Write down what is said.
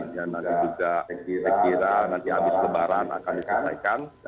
dan nanti juga sekira kira nanti habis kebaran akan diselesaikan